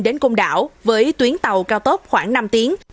đến công đảo với tuyến tàu cao tốc khoảng năm tiếng